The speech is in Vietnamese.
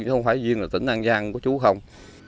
chứ không phải riêng là tỉnh an giang của chú không